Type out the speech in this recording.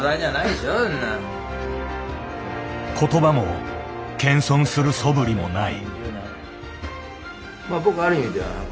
言葉も謙遜するそぶりもない。